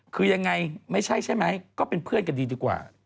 คือยังไงไม่ใช่ใช่ไหมก็เป็นเพื่อนกันดีดีกว่า